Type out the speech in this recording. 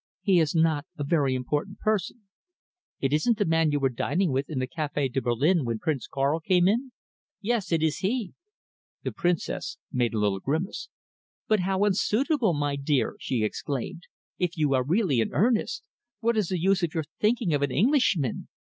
"He is not a very important person." "It isn't the man you were dining with in the Café de Berlin when Prince Karl came in?" "Yes, it is he!" The Princess made a little grimace. "But how unsuitable, my dear," she exclaimed, "if you are really in earnest! What is the use of your thinking of an Englishman?